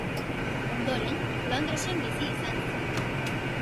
Ondoren Londresen bizi izan zen.